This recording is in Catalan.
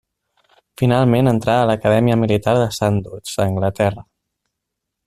Finalment entrà a l'Acadèmia militar de Sandhurst, a Anglaterra.